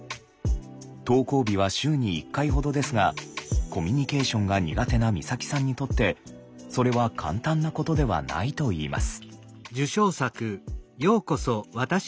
登校日は週に１回ほどですがコミュニケーションが苦手な光沙季さんにとってそれは簡単なことではないといいます。